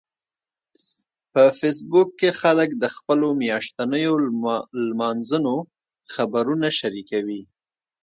په فېسبوک کې خلک د خپلو میاشتنيو لمانځنو خبرونه شریکوي